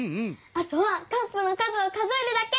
あとはカップの数を数えるだけ！